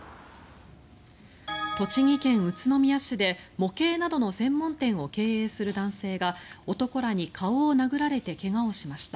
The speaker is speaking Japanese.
栃木県宇都宮市で模型などの専門店を経営する男性が男らに顔を殴られて怪我をしました。